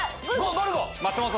ゴルゴ！